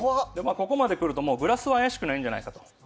ここまで来るとグラスは怪しくないんじゃないかと。